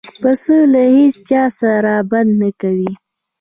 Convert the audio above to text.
پسه له هیڅ چا سره بد نه کوي.